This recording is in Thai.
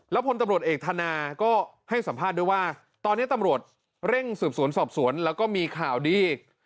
พลตำรวจเอกธนาก็ให้สัมภาษณ์ด้วยว่าตอนนี้ตำรวจเร่งสืบสวนสอบสวนแล้วก็มีข่าวดีอีก